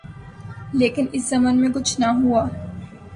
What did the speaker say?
لیکن اس ضمن میں کچھ نہ ہوا